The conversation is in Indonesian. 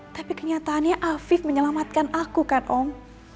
tapi kenyataannya afif menyelamatkan aku kan om